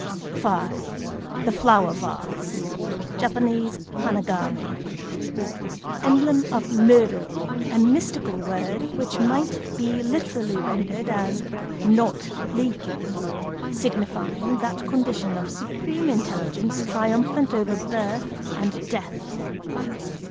V.—The Flower Vase (Jap. "Hanagamé"). Emblem of murō,—a mystical word which might be literally rendered as "not leaking,"—signifying that condition of supreme intelligence triumphant over birth and death.